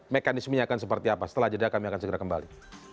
mekanismenya akan seperti apa setelah jeda kami akan segera kembali